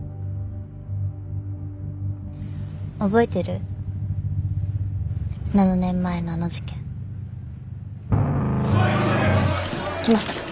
覚えてる？７年前のあの事件。来ました。